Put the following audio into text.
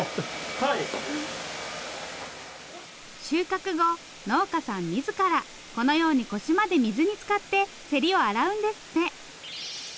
収穫後農家さん自らこのように腰まで水につかってせりを洗うんですって。